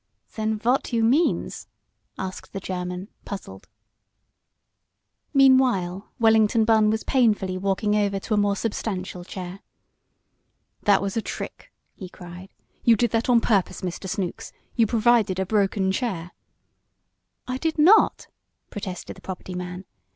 "Than vot you means?" asked the German, puzzled. Meanwhile Wellington Bunn was painfully walking over to a more substantial chair. "That was all a trick!" he cried. "You did that on purpose, Mr. Snooks. You provided a broken chair!" "I did not!" protested the property man.